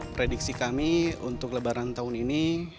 prediksi kami untuk lebaran tahun ini